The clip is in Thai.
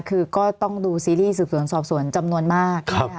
คือก็ต้องดูซีรีส์สืบสวนสอบสวนจำนวนมาก